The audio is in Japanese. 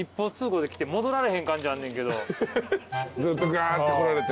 ずっとガーって来られて。